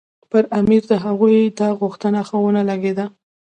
پر امیر د هغوی دا غوښتنه ښه ونه لګېده.